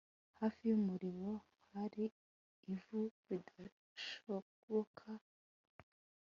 hafi yumuriro hari ivu ridashoboka